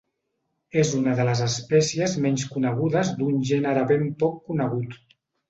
És una de les espècies menys conegudes d'un gènere ben poc conegut.